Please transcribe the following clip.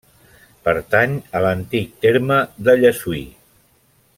Pertany a l'antic terme de Llessui.